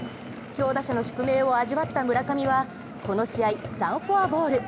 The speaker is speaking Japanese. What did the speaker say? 強打者の宿命を味わった村上はこの試合、３フォアボール。